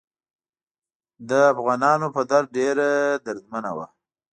د افغانانو په درد ډیره دردمنه وه.